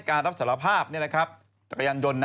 การรับสารภาพจักรยานยนต์